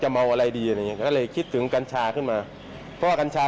จะเมาอะไรดีอันนี้ก็เลยคิดถึงกัญชาขึ้นมาเพราะว่ากัญชา